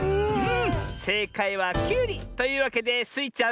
せいかいはきゅうり！というわけでスイちゃん